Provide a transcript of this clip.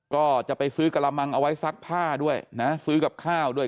ก็จะไปซื้อกระมังเอาไว้ซักผ้าด้วยนะซื้อกับข้าวด้วย